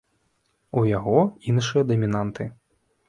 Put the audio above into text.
У яго іншыя дамінанты.